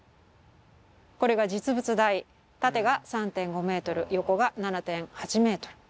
これが実物大縦が３．５ｍ横が７．８ｍ。